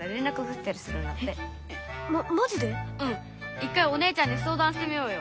一回お姉ちゃんにそうだんしてみようよ！